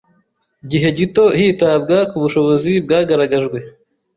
gihe gito hitabwa ku bushobozi bwagaragajwe